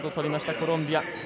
コロンビア。